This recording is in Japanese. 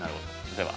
では。